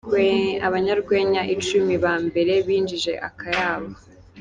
Abanyarwenya icumi ba mbere binjije akayabo:.